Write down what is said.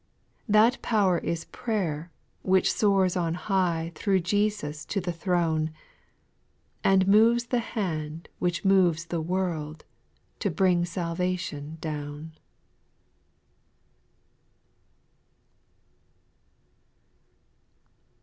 6. That power is prayer ; which soars on high Through Jesus to the throne. And moves the hand which moves the world, To bring salvation down.